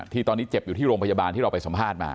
ที่ตอนนี้เจ็บอยู่ที่โรงพยาบาลที่เราไปสัมภาษณ์มา